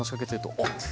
おっ！